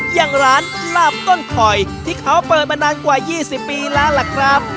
อย่างร้านลาบต้นคอยที่เขาเปิดมานานกว่า๒๐ปีแล้วล่ะครับ